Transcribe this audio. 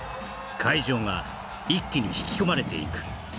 会場が一気に引き込まれていく